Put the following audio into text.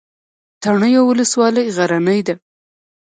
تڼیو ولسوالۍ غرنۍ ده؟